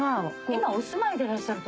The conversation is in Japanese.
今お住まいでらっしゃる？